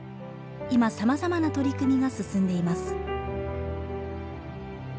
今、さまざまな取り組みが進んでいます。